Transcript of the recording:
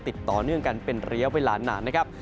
ต่อเนื่องกันเป็นระยะเวลานานนะครับ